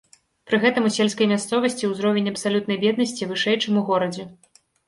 Пры гэтым у сельскай мясцовасці ўзровень абсалютнай беднасці вышэй, чым у горадзе.